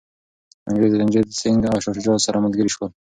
انګریز، رنجیت سنګ او شاه شجاع سره ملګري شول.